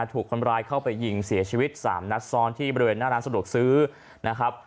ถูกคนร้ายเข้าไปยิงเสียชีวิต๓นัดซ้อนที่บริเวณหน้าร้านสะดวกซื้อนะครับ